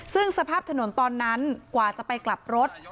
ซึ่งสภาพถนนตอนนั้นกว่าจะไปกลับรถ